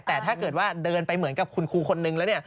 แต่ถ้าเกิดว่าเดินไปเหมือนกับคุณครูคนนึงแล้ว